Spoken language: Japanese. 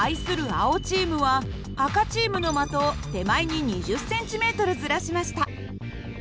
青チームは赤チームの的を手前に２０ｃｍずらしました。